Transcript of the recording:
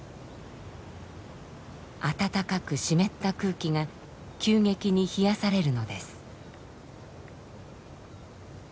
暖かく湿った空気が急激に冷やされるのです。